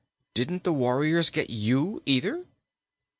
"Didn't the warriors get you, either?"